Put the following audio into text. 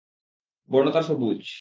বর্ণ তার সবুজ।